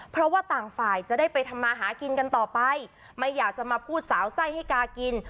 เพราะว่าต่างฝ่ายจะได้ไปทำมาหากินกันต่อไปไม่อยากจะมาพูดสาวไส้ให้กากิน